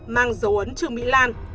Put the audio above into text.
mang dấu ấn trương mỹ lan